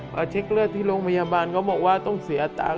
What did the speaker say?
พอเช็คเลือดที่โรงพยาบาลเขาบอกว่าต้องเสียตังค์